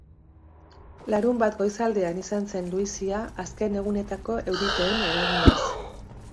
Larunbat goizaldean izan zen luizia, azken egunetako euriteen eraginez.